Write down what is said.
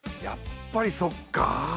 やっぱりそっか。